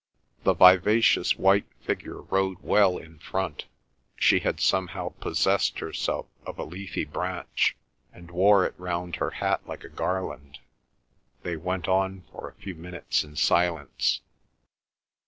The vivacious white figure rode well in front; she had somehow possessed herself of a leafy branch and wore it round her hat like a garland. They went on for a few minutes in silence.